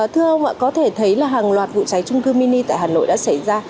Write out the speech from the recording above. thưa ông có thể thấy là hàng loạt vụ cháy trung cư mini tại hà nội đã xảy ra